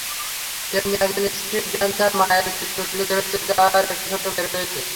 তেমনি একজন স্ট্রিপড্যান্সার মায়ের চিত্র তুলে ধরেছেন, যার একটি ছোট্ট মেয়ে রয়েছে।